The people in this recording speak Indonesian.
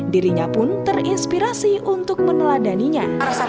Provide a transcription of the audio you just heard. dirinya pun terinspirasi untuk meneladaninya